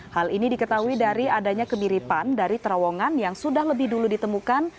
hal ini diketahui dari adanya kemiripan dari terowongan yang sudah lebih dulu ditemukan